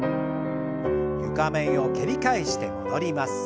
床面を蹴り返して戻ります。